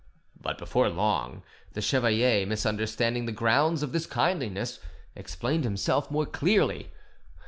But, before long, the chevalier, misunderstanding the grounds of this kindliness, explained himself more clearly.